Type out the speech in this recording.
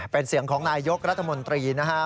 เป็นเสียงของนายยกรัฐมนตรีนะฮะ